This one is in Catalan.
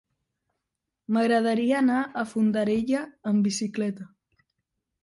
M'agradaria anar a Fondarella amb bicicleta.